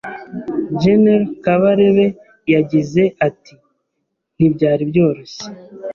Gen Kabarebe yagize ati ntibyari byoroshye